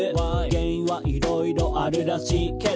「原因はいろいろあるらしいけど」